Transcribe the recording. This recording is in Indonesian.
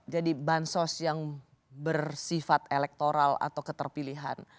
jadi bansos yang bersifat elektoral atau keterpilihan